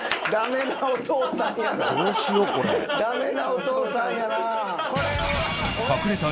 ダメなお父さんやな。